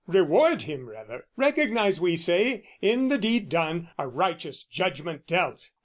"Reward him rather! Recognise, we say, "In the deed done, a righteous judgment dealt!